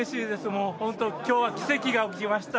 もう、本当きょうは奇跡が起きました。